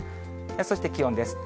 そして、気温です。